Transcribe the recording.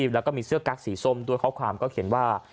แล้วก็มีเสื้อกั๊กสีส้มด้วยข้อความก็เขียนว่า